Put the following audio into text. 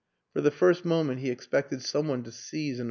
For the first moment he expected some one to seize and a?